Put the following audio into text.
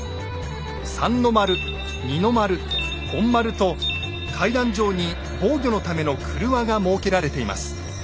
三の丸二の丸本丸と階段状に防御のための「くるわ」が設けられています。